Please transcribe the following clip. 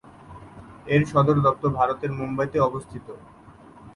এর সদরদপ্তর ভারতের মুম্বাইতে অবস্থিত।